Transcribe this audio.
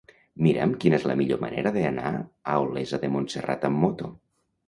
Mira'm quina és la millor manera d'anar a Olesa de Montserrat amb moto.